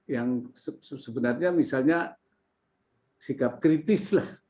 yang sebenarnya misalnya sikap kritis lah